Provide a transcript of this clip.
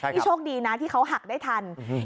นี่โชคดีนะที่เขาหักได้ทัน